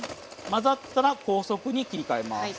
混ざったら高速に切り替えます。